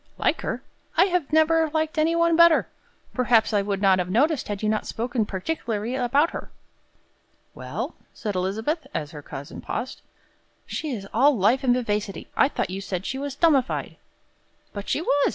"Like her? I have never liked any one better. Perhaps I would not have noticed, had you not spoken particularly about her." "Well?" said Elizabeth, as her cousin paused. "She is all life and vivacity. I thought you said she was 'dummified.'" "But she was.